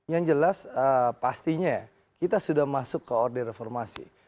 yang jelas pastinya kita sudah masuk ke order reformasi